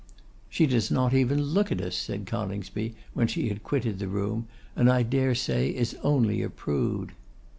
'She does not even look at us,' said Coningsby, when she had quitted the room; 'and I dare say is only a prude.